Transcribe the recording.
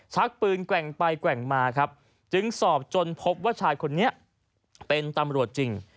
ชักปืนแกว่งไปแกว่งมาครับจึงสอบจนพบว่าชายคนนี้เป็นตำรวจจริง